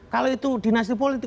kalau itu dinasti politik